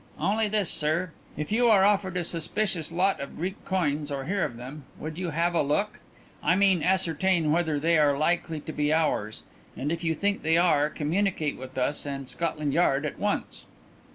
"Only this, sir; if you are offered a suspicious lot of Greek coins, or hear of them, would you have a look I mean ascertain whether they are likely to be ours, and if you think they are communicate with us and Scotland Yard at once."